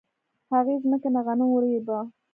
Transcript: هغې ځمکې نه غنم ورېبه